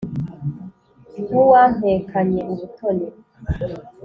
W'uwampekanye ubutoni